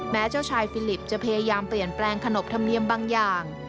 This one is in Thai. เจ้าชายฟิลิปจะพยายามเปลี่ยนแปลงขนบธรรมเนียมบางอย่าง